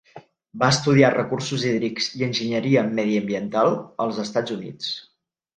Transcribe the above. Va estudiar Recursos Hídrics i Enginyeria Mediambiental als Estats Units.